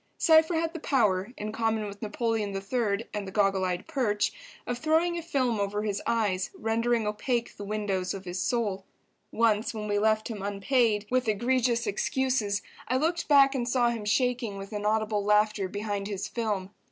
Cypher had the power, in common with Napoleon III. and the goggle eyed perch, of throwing a film over his eyes, rendering opaque the windows of his soul. Once when we left him unpaid, with egregious excuses, I looked back and saw him shaking with inaudible laughter behind his film.